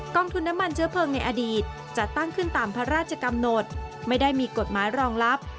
องทุนน้ำมันเชื้อเพลิงในอดีตจะตั้งขึ้นตามพระราชกำหนดไม่ได้มีกฎหมายรองรับ